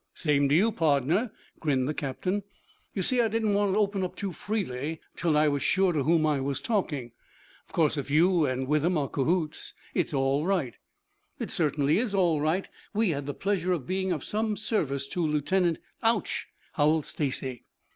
"Same to you, pardner," grinned the captain. "You see I didn't want to open up too freely until I was sure to whom I was talking. Of course if you and Withem are cahoots, it's all right." "It certainly is all right. We had the pleasure of being of some service to Lieutenant " "Ouch!" howled Stacy.